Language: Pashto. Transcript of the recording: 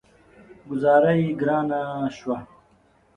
ګوذاره يې ګرانه شوه.